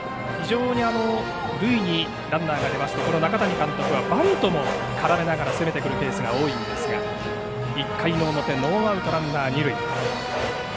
ランナーが塁に出ますと中谷監督はバントも絡めながら攻めてくるケースが多いんですが１回の表ノーアウト、ランナー二塁。